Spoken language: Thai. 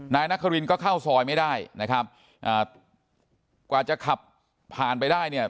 นายนครินก็เข้าซอยไม่ได้นะครับอ่ากว่าจะขับผ่านไปได้เนี่ย